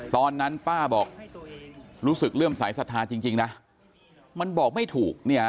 ตอนนั้นป้าบอกรู้สึกเลื่อมสายศรัทธาจริงนะมันบอกไม่ถูกเนี่ย